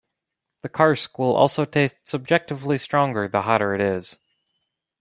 The Karsk will also taste subjectively stronger the hotter it is.